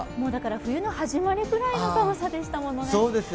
冬の始まりぐらいの寒さでしたもんね。